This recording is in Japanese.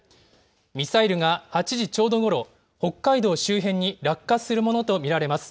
ミサイルが８時ちょうどごろ、北海道周辺に落下するものと見られます。